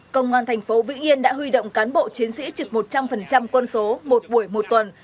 công an tp vịnh yên đã huy động cán bộ chiến sĩ trực một trăm linh quân số một buổi một tuần